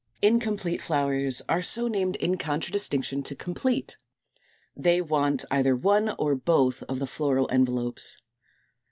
=Incomplete Flowers= are so named in contradistinction to complete: they want either one or both of the floral envelopes.